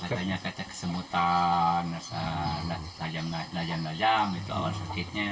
katanya kata kesemutan lajam lajam itu awal sakitnya